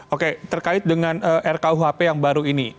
oke terkait dengan rkuhp yang baru ini